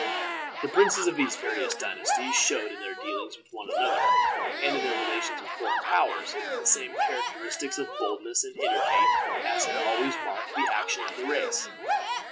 The princes of these various dynasties showed in their dealings with one another, and in their relations with foreign powers, the same characteristics of boldness and energy as had always marked the action of the race.